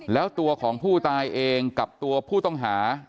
แล้วตัวของผู้ตายเองกับตัวผู้ต้องหา